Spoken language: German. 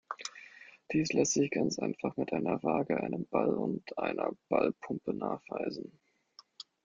Dies lässt sich ganz einfach mit einer Waage, einem Ball und einer Ballpumpe nachweisen.